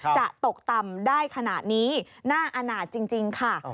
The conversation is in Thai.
จะตกต่ำได้ขนาดนี้น่าอนาจจริงค่ะ